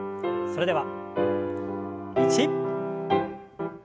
それでは１。